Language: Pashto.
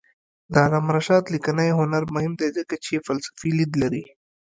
د علامه رشاد لیکنی هنر مهم دی ځکه چې فلسفي لید لري.